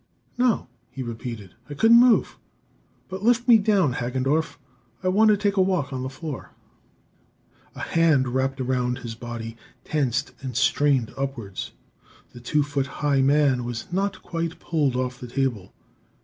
"No," he repeated. "I couldn't move. But lift me down, Hagendorff. I want to take a walk on the floor." A hand wrapped around his body, tensed and strained upwards. The two foot high man was not quite pulled off the table.